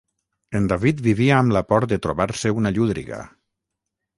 En David vivia amb la por de trobar-se una llúdriga.